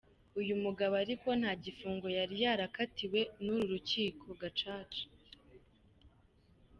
Uyu mugabo ariko nta gifungo yari yakatiwe n'uru rukiko Gacaca.